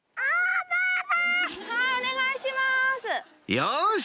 よし！